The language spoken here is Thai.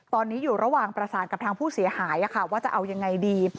ตอนนี้อยู่ระหว่างประสานกับทางผู้เสียหายว่าจะเอายังไงดี